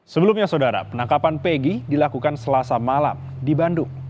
sebelumnya saudara penangkapan pegi dilakukan selasa malam di bandung